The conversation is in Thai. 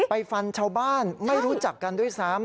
ฟันชาวบ้านไม่รู้จักกันด้วยซ้ำ